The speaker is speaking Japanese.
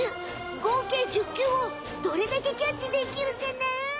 ごうけい１０球をどれだけキャッチできるかな？